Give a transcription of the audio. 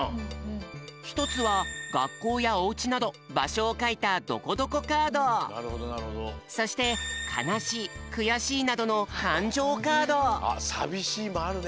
ひとつはがっこうやおうちなどばしょをかいたそして「かなしい」「くやしい」などのあ「さびしい」もあるね。